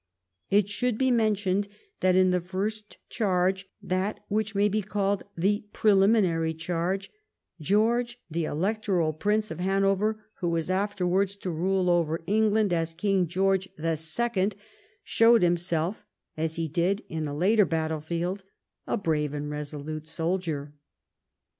It should be mentioned that in the first charge, that which may be called the preliminary charge, George, the Electoral Prince of Hanover, who was afterwards to rule over England as King George the Second, showed himself, as he did on a later battle field, a brave and resolute soldier.